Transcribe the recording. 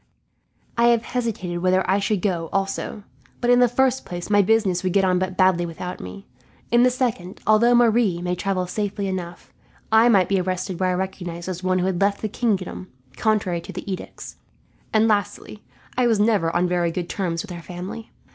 I have hesitated whether I should go, also. But in the first place, my business would get on but badly without me; in the second, although Marie might travel safely enough, I might be arrested were I recognized as one who had left the kingdom contrary to the edicts; and lastly, I never was on very good terms with her family.